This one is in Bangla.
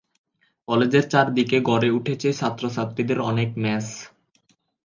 কলেজের চারদিকে গড়ে উঠেছে ছাত্র-ছাত্রীদের অনেক মেস।